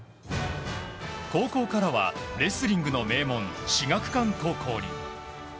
高校からはレスリングの名門至学館高校に。